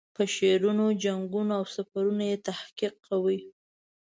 په شعرونو، جنګونو او سفرونو یې تحقیق کوي.